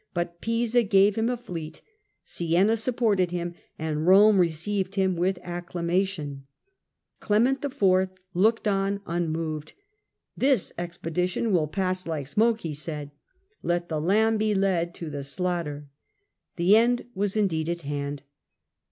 But Pisa gave him a fleet, Siena supported him, and Eome received him with acclamation. Clement IV. looked on unmoved. "This expedition will pass like smoke," he said ;" let the lamb be led to the slaughter." The end was, indeed, at hand.